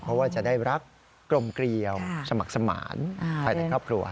เพราะว่าจะได้รักกลมเกลียวสมัครสมานภายในครอบครัว